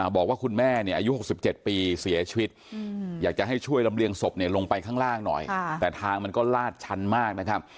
บอกว่าคุณแม่เนี่ยอายุ๖๗ปีเสียชีวิตอยากจะให้ช่วยลำเลียงศพลงไปข้างล่างหน่อยแต่ทางมันก็ลาดชันมากนะครับ